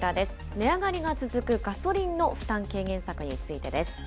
値上がりが続くガソリンの負担軽減策についてです。